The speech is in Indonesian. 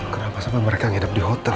kenapa sampai mereka ngidap di hotel